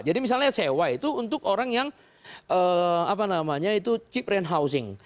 jadi misalnya sewa itu untuk orang yang apa namanya itu cheap rent housing